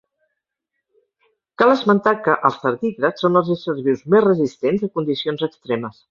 Cal esmentar que, els tardígrads són els éssers vius més resistents a condicions extremes.